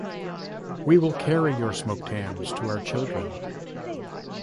We will carry your smoked hams to our children.